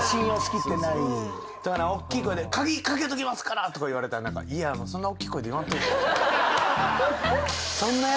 おっきい声で「鍵掛けときますから！」とか言われたら何か「いや。そんなおっきい声で言わんと」